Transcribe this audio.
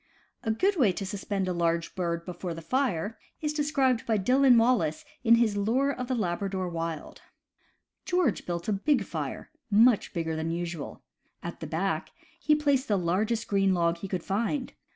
A good way to suspend a large bird before the fire is described by Dillon Wallace in his Lure of the Labra dor Wild: George built a big fire — much bigger than usual. At the back he placed the largest green log he could find.